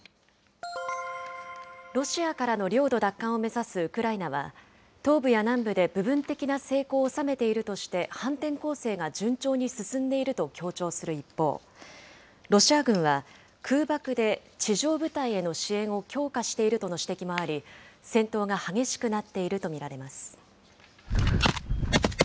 ロシアからの領土奪還を目指すウクライナは、東部や南部で部分的な成功を収めているとして、反転攻勢が順調に進んでいると強調する一方、ロシア軍は空爆で地上部隊への支援を強化しているとの指摘もあり、戦闘が激しくなっていると見られます。